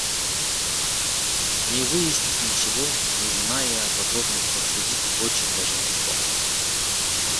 Не выяснив ничего, не зная о подробностях судить очень даже легко.